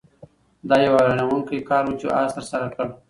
دا یو حیرانوونکی کار و چې آس ترسره کړ.